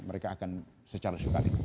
mereka akan secara sukarela